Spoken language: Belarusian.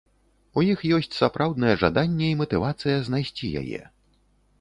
У іх ёсць сапраўднае жаданне і матывацыя знайсці яе.